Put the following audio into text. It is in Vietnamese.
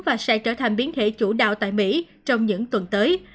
và sẽ trở thành biến thể chủ đạo tại mỹ trong những tuần tới